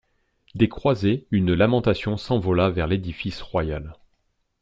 Des croisées, une lamentation s'envola vers l'édifice royal.